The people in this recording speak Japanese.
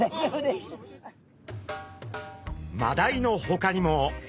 マダイのほかにも。